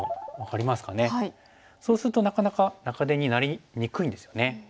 そうするとなかなか中手になりにくいんですよね。